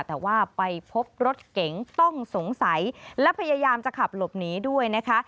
แต่ว่าไปพบรถเก๋งต้องสงสัยและพยายามจะขับหลบหนีด้วยนะคะ